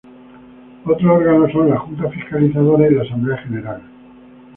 Otros órganos son la Junta Fiscalizadora y la Asamblea General.